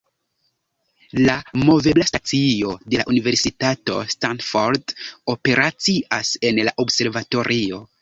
La movebla stacio de la Universitato Stanford operacias en la observatorio.